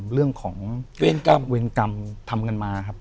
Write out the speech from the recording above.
เรื่องของเวรกรรมทำกันมาครับ